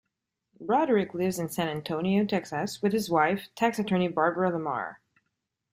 Broderick lives in San Antonio, Texas, with his wife, tax attorney Barbara Lamar.